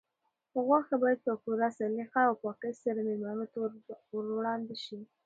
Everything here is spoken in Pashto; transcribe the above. غوښه باید په پوره سلیقه او پاکۍ سره مېلمنو ته وړاندې شي.